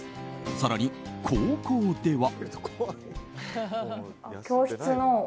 更に、高校では。